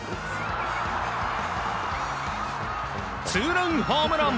ツーランホームラン！